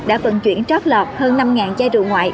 đã vận chuyển chót lọt hơn năm chai rượu ngoại